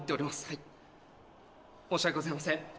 はい申し訳ございません